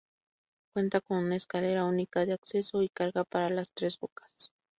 Cuenta con una escalera única de acceso y carga para las tres bocas.